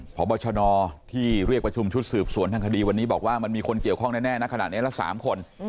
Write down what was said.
พบชนที่เรียกประชุมชุดสืบสวนทางคดีวันนี้บอกว่ามันมีคนเกี่ยวข้องแน่นะขนาดนี้ละ๓คน